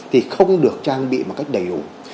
thì không được trang bị một cách đầy đủ